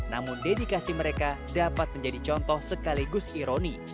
namun dedikasi mereka dapat menjadi contoh sekaligus ironi